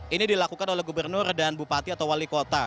ini dilakukan oleh gubernur dan bupati atau wali kota